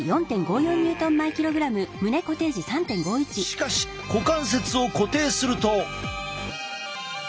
しかし股関節を固定すると。